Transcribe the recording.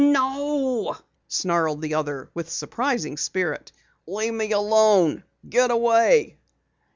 "No!" snarled the other with surprising spirit. "Leave me alone! Get away!"